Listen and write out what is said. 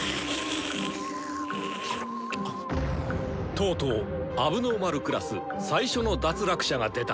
とうとう問題児クラス最初の脱落者が出た。